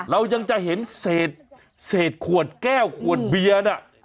เรายังจะเห็นเศษขวดแก้วขวดเบียร์น่ะ